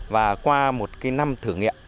và qua một cái năm thử nghiệm